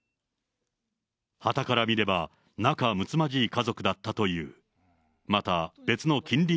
はたから見れば仲むつまじい家族だったという。